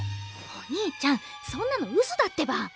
お兄ちゃんそんなのうそだってば。